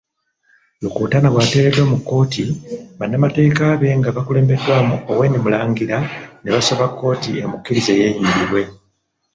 Rukutana bwaleteddwa mu kkooti, bannamateeka be nga bakulembeddwa Owen Mulangira ne basaba kkooti emukkirize yeeyimirirwe.